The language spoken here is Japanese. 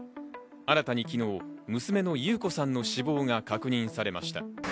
新たに昨日、娘の優子さんの死亡が確認されました。